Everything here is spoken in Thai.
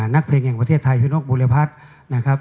นักเพลงแห่งประเทศไทยคือนกบุรพัฒน์นะครับ